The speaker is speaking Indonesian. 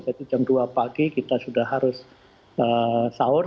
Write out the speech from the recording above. jadi jam dua pagi kita sudah harus sahur